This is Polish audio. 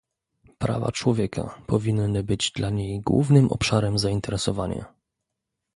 Prawa człowieka powinny być dla niej głównym obszarem zainteresowania